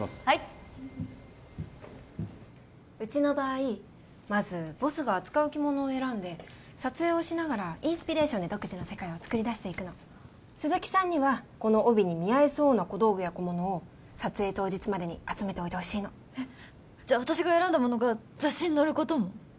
はいうちの場合まずボスが扱う着物を選んで撮影をしながらインスピレーションで独自の世界をつくりだしていくの鈴木さんにはこの帯に見合いそうな小道具や小物を撮影当日までに集めておいてほしいのえっじゃあ私が選んだものが雑誌に載ることも？